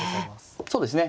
そうですね。